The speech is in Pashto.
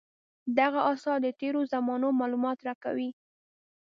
دغه اثار د تېرو زمانو معلومات راکوي.